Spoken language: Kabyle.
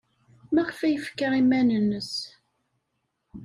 Maɣef ay yefka iman-nnes?